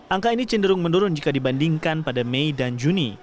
angka ini cenderung menurun jika dibandingkan pada mei dan juni